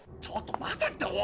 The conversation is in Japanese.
ちょっと待てって！